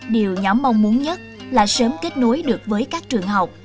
điều nhóm mong muốn nhất là sớm kết nối được với các trường học